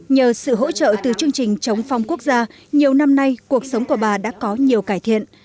nhờ sự hỗ trợ từ chương trình chống phong quốc gia nhiều năm nay cuộc sống của bà đã có nhiều cải thiện